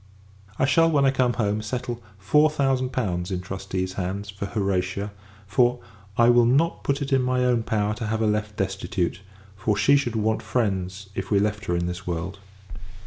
I shall, when I come home, settle four thousand pounds in trustees hands, for Horatia; for, I will not put it in my own power to have her left destitute: for she would want friends, if we left her in this world.